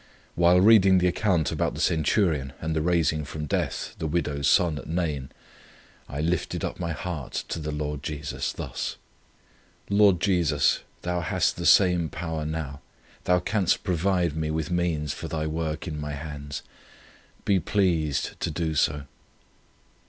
While reading the account about the Centurion and the raising from death the widow's son at Nain, I lifted up my heart to the Lord Jesus thus: 'Lord Jesus, Thou hast the same power now. Thou canst provide me with means for Thy work in my hands. Be pleased to do so.'